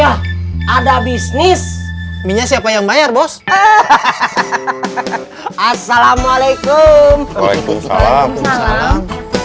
ada bisnis ini siapa yang bayar bos assalamualaikum waalaikumsalam